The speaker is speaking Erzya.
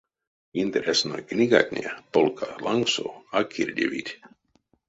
Интересной книгатне полка лангсо а кирдевить.